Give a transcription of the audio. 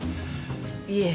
いえ。